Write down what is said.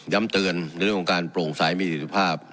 ย้ำเตือนในวงการโพงสายมีถือภาพ